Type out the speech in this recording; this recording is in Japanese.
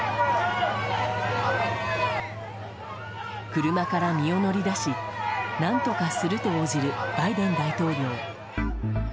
車から身を乗り出し何とかすると応じるバイデン大統領。